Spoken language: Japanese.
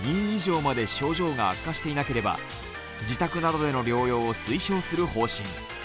Ⅱ以上まで症状が悪化していなければ自宅などでの療養を推奨する方針。